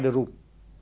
điều cần lưu ý là